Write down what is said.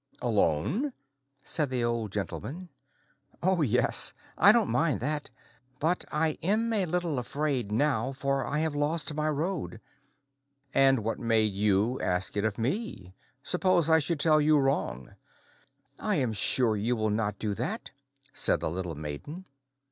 "Alone?" said the Old Gentleman. "Oh yes; I don't mind that. But I am a little afraid now, for I have lost my road." "And what made you ask it of me? Suppose I should tell you wrong?" "I am sure you will not do that," said the little maiden.